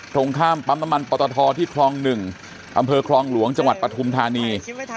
ตรงข้ามปั๊มน้ำมันปตทที่คลอง๑อำเภอคลองหลวงจังหวัดปฐุมธานี